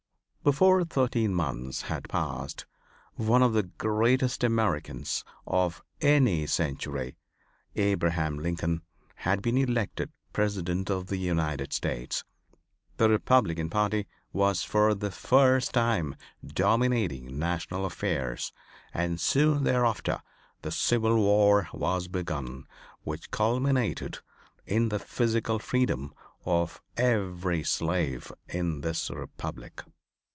Before thirteen months had passed one of the greatest Americans of any century, Abraham Lincoln, had been elected President of the United States; the Republican party was for the first time dominating national affairs and, soon thereafter, the Civil War was begun which culminated in the physical freedom of every slave in this Republic.